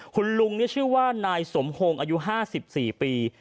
คุณลุงนี่ชื่อว่านายสมพงศ์อายุ๕๔ปี